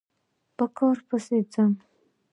په کار پسې ځم